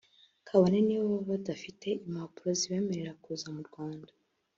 kabone n’iyo baba badafite impapuro zibemerera kuza mu Rwanda